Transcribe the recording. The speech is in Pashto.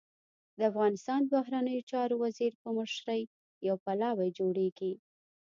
د افغانستان د بهرنیو چارو وزیر په مشرۍ يو پلاوی جوړېږي.